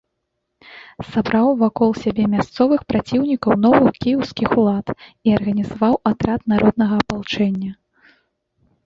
Сабраў вакол сябе мясцовых праціўнікаў новых кіеўскіх улад і арганізаваў атрад народнага апалчэння.